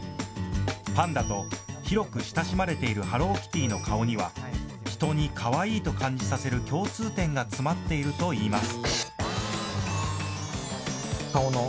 パンダと広く親しまれているハローキティの顔には人にかわいいと感じさせる共通点が詰まっているといいます。